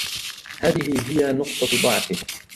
هذه هي نقطة ضعفه.